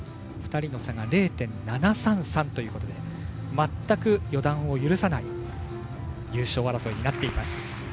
２人の差が０．７３３ということで全く予断を許さない優勝争いになっています。